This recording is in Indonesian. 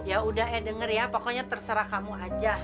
ya udah eh denger ya pokoknya terserah kamu aja